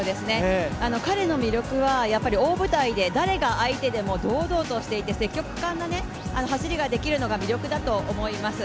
彼の魅力は大舞台で、誰が相手でも堂々としていて積極果敢な走りができるのが魅力だと思います。